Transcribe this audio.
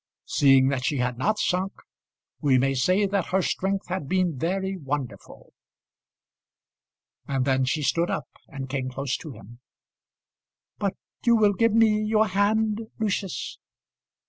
Seeing that she had not sunk, we may say that her strength had been very wonderful. And then she stood up and came close to him. "But you will give me your hand, Lucius?"